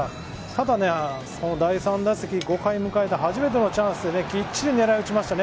ただ、第３打席、５回迎えて初めてのチャンスできっちり狙い打ちました。